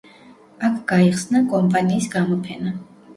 აქ გაიხსნა კომპანიის გამოფენა.